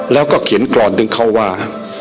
แล้วก็เขียนกรอนถึงเขาว่า